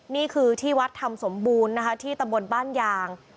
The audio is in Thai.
นี่คือที่วัดธรรมสมบูรณ์นะคะที่ตำบลบ้านยาง